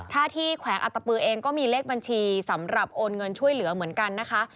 ถ้าที่แขวงอัตตปือเองก็มีเลขบัญชีสำหรับโอนเงินช่วยเหลือเหมือนกันนะคะ